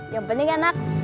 yang penting enak